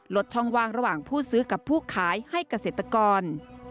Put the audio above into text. ลดช่องว่างระหว่างผู้ซื้อกับผู้ขายให้เกษตรกร